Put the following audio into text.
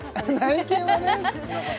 内見はね